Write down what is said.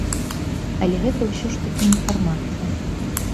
Але гэта ўсё ж такі інфармацыя.